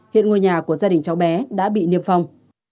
hiện ngôi nhà của gia đình cháu bé đã bị niêm phong